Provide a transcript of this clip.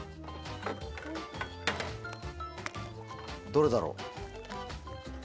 どれだろう？